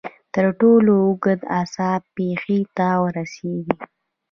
تر ټولو اوږد اعصاب پښې ته رسېږي.